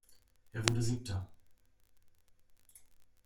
Er wurde Siebter.